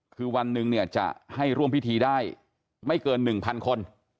คือวันหนึ่งเนี่ยจะให้ร่วมพิธีได้ไม่เกิน๑๐๐คน